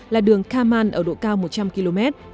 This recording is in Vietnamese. là đường kaman ở độ cao một trăm linh km